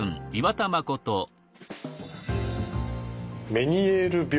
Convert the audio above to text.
メニエール病。